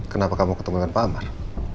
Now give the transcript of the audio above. kenapa kamu ketemu dengan pak amar